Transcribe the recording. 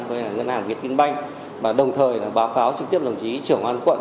với ngân hàng việt tiên banh và đồng thời là báo cáo trực tiếp đồng chí trưởng oan quận